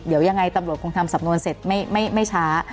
เดี๋ยวยังไงตำรวจคงทำสำนวนเสร็จไม่ช้า